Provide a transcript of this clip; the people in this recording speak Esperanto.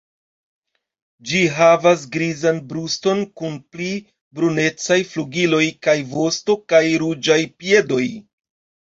Ĝi havas grizan bruston kun pli brunecaj flugiloj kaj vosto kaj ruĝaj piedoj.